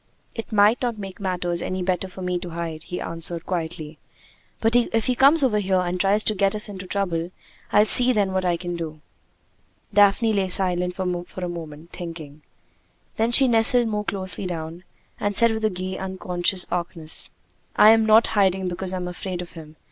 "It might not make matters any better for me to hide," he answered quietly. "But if he comes over here and tries to get us into trouble, I'll see then what I can do." Daphne lay silent for a moment, thinking. Then she nestled more closely down, and said with gay, unconscious archness: "I'm not hiding because I'm afraid of him.